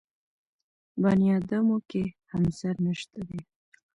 بنیاد مو کې همسر نشته دی.